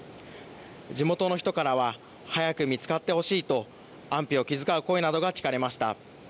地元の人からは早く見つかってほしいと安否を気遣う声などが聞かれました。